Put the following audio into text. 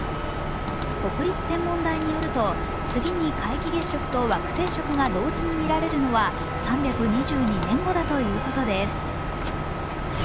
国立天文台によると、次に皆既月食と惑星食が同時に見られるのは３２２年後だということです。